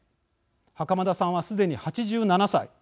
袴田さんはすでに８７歳。